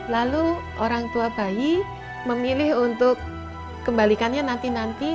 lalu orang tua bayi memilih untuk kembalikannya nanti nanti